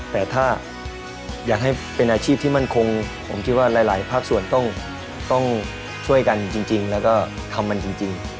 แต่ถ้าอยากให้เป็นอาชีพที่มั่นคงผมคิดว่าหลายภาคส่วนต้องช่วยกันจริงแล้วก็ทำมันจริง